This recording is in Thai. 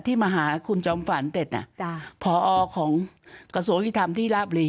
ที่มาหาคุณจอมฝ่านเตศอ่ะจ้าพอออกของกระสูงวิธรรมที่ราบลี